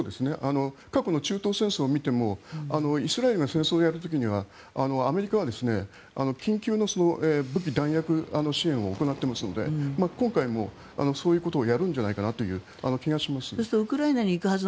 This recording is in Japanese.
過去の中東戦争を見てもイスラエルが戦争をやる時にはアメリカは緊急の武器、弾薬支援を行っていますので今回もそういうことをやるんじゃないかなという気がします。